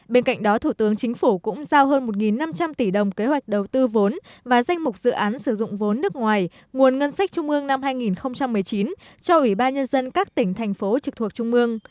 bên cạnh đó thủ tướng chính phủ cũng giao hơn một năm trăm linh tỷ đồng kế hoạch đầu tư vốn và danh mục dự án sử dụng vốn nước ngoài nguồn ngân sách trung ương năm hai nghìn một mươi chín cho ủy ban nhân dân các tỉnh thành phố trực thuộc trung ương